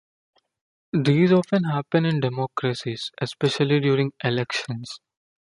These often happen in democracies, especially during elections.